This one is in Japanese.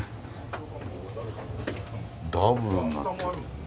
ダブルになってる。